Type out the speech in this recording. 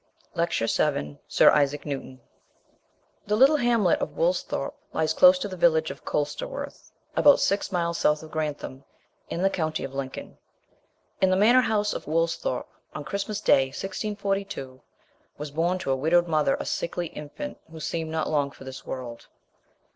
LECTURE VII SIR ISAAC NEWTON The little hamlet of Woolsthorpe lies close to the village of Colsterworth, about six miles south of Grantham, in the county of Lincoln. In the manor house of Woolsthorpe, on Christmas Day, 1642, was born to a widowed mother a sickly infant who seemed not long for this world.